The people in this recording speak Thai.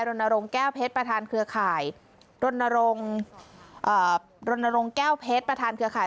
โรนโรงแก้วเพชรประธานเครือข่ายโรนโรงเอ่อโรนโรงแก้วเพชรประธานเครือข่าย